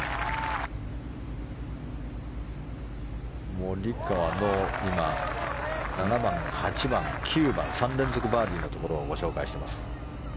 モリカワの今、７番８番９番３連続バーディーのところをご紹介しています。